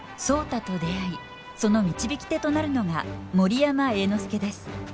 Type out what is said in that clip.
壮多と出会いその導き手となるのが森山栄之助です。